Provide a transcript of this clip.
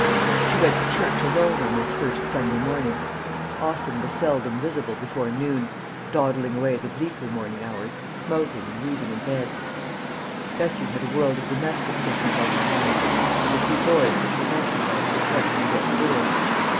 She went to church alone on this first Sunday morning. Austin was seldom visible before noon, dawdling away the bleaker morning hours smoking and reading in bed. Bessie had a world of domestic business on her hands, and the two boys to torment her while she attempted to get through it.